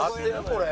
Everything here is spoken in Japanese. これ。